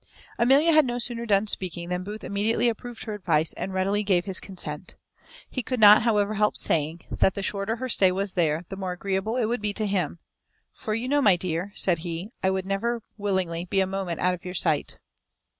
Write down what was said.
Amelia had no sooner done speaking than Booth immediately approved her advice, and readily gave his consent. He could not, however, help saying, that the shorter her stay was there, the more agreeable it would be to him; "for you know, my dear," said he, "I would never willingly be a moment out of your sight."